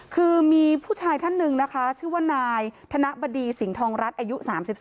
คือมีผู้ชายท่านหนึ่งนะคะชื่อว่านายธนบดีสิงหองรัฐอายุ๓๒